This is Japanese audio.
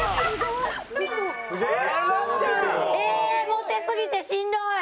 モテすぎてしんどい！